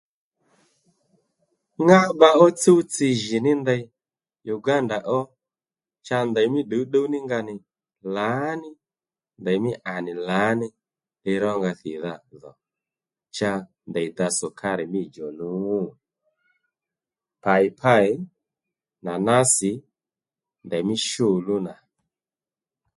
Ŋá bba ó tsúw-tsi jì ní ndey Uganda ó cha ndèy mí ddǔwddúw nga nì lǎní ndèymí à nì lǎní li rónga thìdha dhò cha ndèy da sùkárì mí djò luw. Paypay, nànásì ndèymí shǔlú